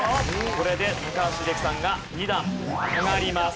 これで高橋英樹さんが２段上がります。